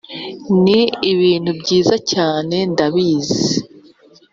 ni ibintu byiza cyane ndabizi,